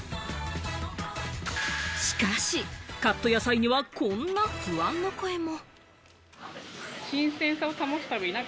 しかしカット野菜には、こんな不安の声も。